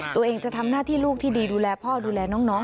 ตัวเองจะทำหน้าที่ลูกที่ดีดูแลพ่อดูแลน้อง